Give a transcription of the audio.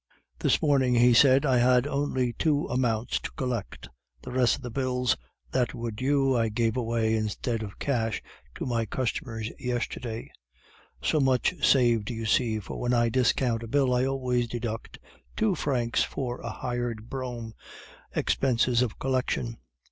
"'This morning,' he said, 'I had only two amounts to collect; the rest of the bills that were due I gave away instead of cash to my customers yesterday. So much saved, you see, for when I discount a bill I always deduct two francs for a hired brougham expenses of collection.